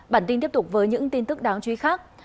bản tin tiếp tục với những tin tức đáng chú ý khác